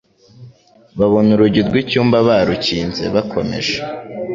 Babona urugi rw'icyumba barukinze bakomeje.